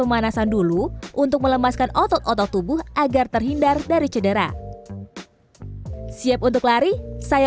pemanasan dulu untuk melemaskan otot otot tubuh agar terhindar dari cedera siap untuk lari saya